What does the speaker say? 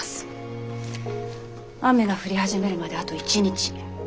雨が降り始めるまであと１日。